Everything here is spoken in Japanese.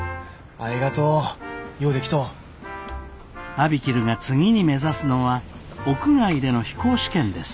ＡＢＩＫＩＬＵが次に目指すのは屋外での飛行試験です。